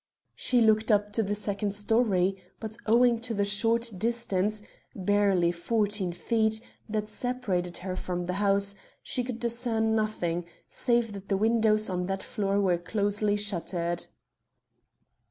She looked up to the second storey, but, owing to the short distance barely fourteen feet that separated her from the house she could discern nothing, save that the windows on that floor were closely shuttered.